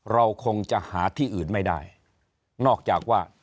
เราคงจะหาที่อื่นไม่ได้นอกจากว่า